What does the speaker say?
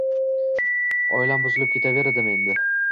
Oilam buzilib ketaveradimi endi